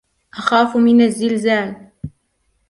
أخاف من الزلازل.